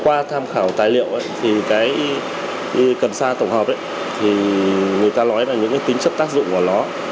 qua tham khảo tài liệu thì cái cần sa tổng hợp ấy thì người ta nói là những cái tính chất tác dụng của nó